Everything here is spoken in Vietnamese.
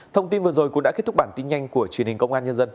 thông tin vừa rồi cũng đã kết thúc bản tin nhanh của truyền hình công an nhân dân